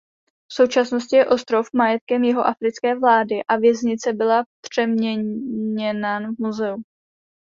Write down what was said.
V současnosti je ostrov majetkem jihoafrické vlády a věznice byla přeměněna v muzeum.